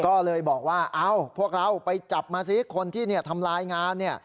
ก็เลยบอกว่าพวกเราไปจับมาสิคนที่ทำลายงาน